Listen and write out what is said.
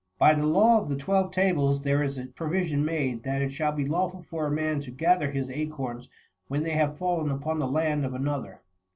By the law of the Twelve Tables, there is a provision made that it shall be lawful for a man to gather his acorns when they have fallen upon the land of another.